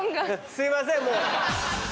すいませんもう。